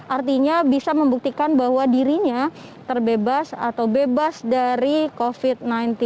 artinya bisa membuktikan bahwa dirinya terbebas atau bebas dari covid sembilan belas